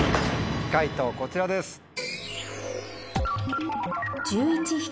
解答こちらです。